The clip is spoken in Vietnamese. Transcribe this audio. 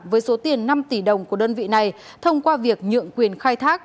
với số tiền năm tỷ đồng của đơn vị này thông qua việc nhượng quyền khai thác